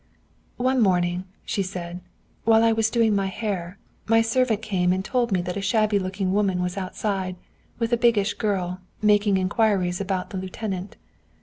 "One morning," she said, "while I was doing my hair, my servant came and told me that a shabby looking woman was outside, with a biggish girl, making inquiries about the lieutenant.